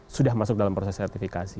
sudah masuk dalam proses sertifikasi